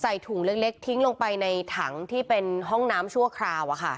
ถุงเล็กทิ้งลงไปในถังที่เป็นห้องน้ำชั่วคราว